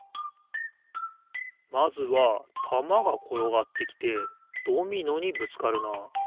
まずはたまがころがってきてドミノにぶつかるなあ。